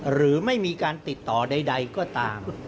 หรือไม่มีการติดต่อใดก็ตาม